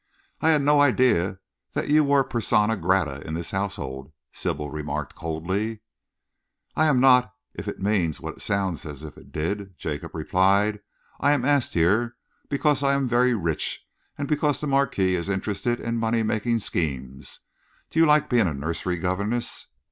"I had no idea that you were persona grata in this household," Sybil remarked coldly. "I'm not if it means what it sounds as if it did," Jacob replied. "I am asked here because I am very rich and because the Marquis is interested in money making schemes. Do you like being a nursery governess?"